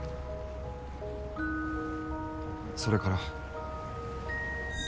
それから。